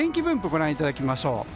ご覧いただきましょう。